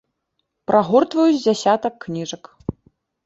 Прагортваю з дзясятак кніжак.